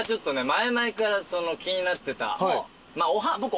前々から気になってた。